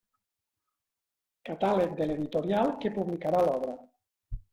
Catàleg de l'editorial que publicarà l'obra.